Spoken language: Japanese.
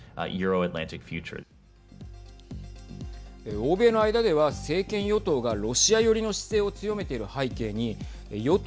欧米の間では政権与党がロシア寄りの姿勢を強めている背景に与党